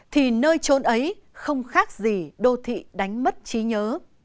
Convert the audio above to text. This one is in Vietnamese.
thì nơi trốn ấy không khác gì đô thị đánh mất trí nhớ